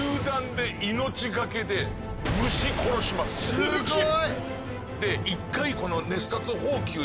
すげえ！